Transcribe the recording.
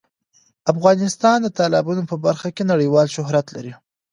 افغانستان د تالابونه په برخه کې نړیوال شهرت لري.